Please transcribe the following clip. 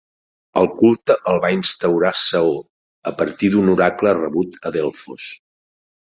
El culte el va instaurar Saó, a partir d'un oracle rebut a Delfos.